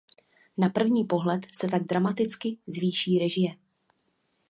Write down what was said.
Na první pohled se tak dramaticky zvýší režie.